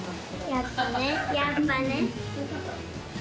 やっぱね、やっぱね。